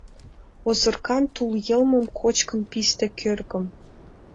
Озыркан тулйылме кочкын писте кӧргым.